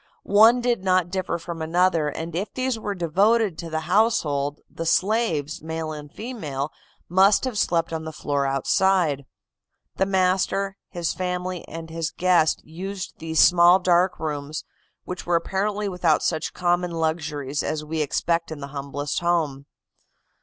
One did not differ from another, and if these were devoted to the household the slaves, male and female, must have slept on the floor outside. The master, his family and his guest used these small, dark rooms, which were apparently without such common luxuries as we expect in the humblest home.